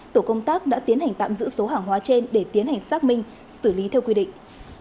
tổ công tác đã tiến hành tạm giữ số hàng hóa trên để tiến hành xác minh xử lý theo quy định